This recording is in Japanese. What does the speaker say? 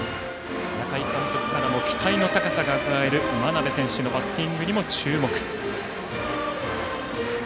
中井監督からも期待の高さがうかがえる真鍋選手のバッティングにも注目。